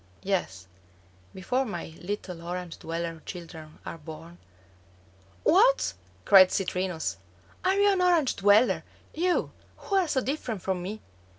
Yes, before my little Orange dweller children are born " "What," cried Citrinus, "are you an Orange dweller; you, who are so different from me?"